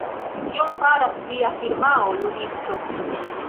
Kion faras via firmao, Ludisto?